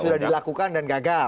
sudah dilakukan dan gagal